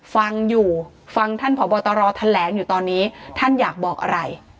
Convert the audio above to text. ฟังอยู่ฟังท่านผอบตรแถลงอยู่ตอนนี้ท่านอยากบอกอะไร